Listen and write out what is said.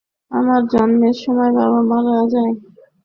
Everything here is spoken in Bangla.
আমার জন্মের সময়ই আমার মা মারা যায়।